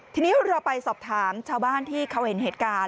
ทีนี้เราไปสอบถามชาวบ้านที่เขาเห็นเหตุการณ์